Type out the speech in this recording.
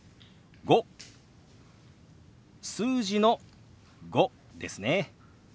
数字の「５」ですね。